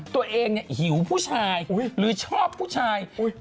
ตัวเองเนี่ยหิวผู้ชายหรือชอบผู้ชาย